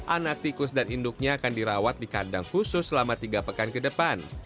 anak tikus dan induknya akan dirawat di kandang khusus selama tiga pekan ke depan